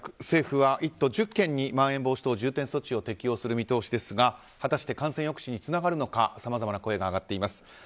政府は１都１０県にまん延防止等重点措置を適用する見通しですが果たして、感染抑止につながるのかさまざまな声が上がっています。